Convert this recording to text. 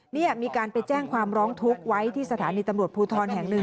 นี่มีการไปแจ้งความร้องทุกข์ไว้ที่สถานีตำรวจภูทรแห่งหนึ่ง